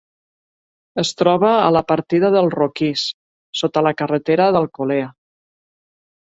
Es troba a la Partida del Roquís, sota la carretera d'Alcolea.